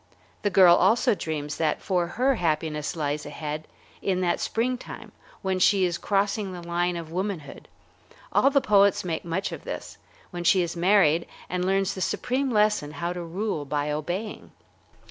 The girl also dreams that for her happiness lies ahead, in that springtime when she is crossing the line of womanhood, all the poets make much of this, when she is married and learns the supreme lesson how to rule by obeying.